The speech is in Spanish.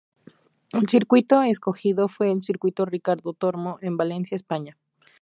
El circuito escogido fue el Circuito Ricardo Tormo, en Valencia, España.